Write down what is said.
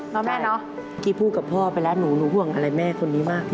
น้องแม่เนอะ